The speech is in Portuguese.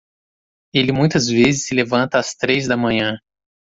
Ele muitas vezes se levanta às três da manhã